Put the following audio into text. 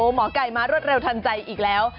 หมอไก่มารวดเร็วทันใจอีกแล้ว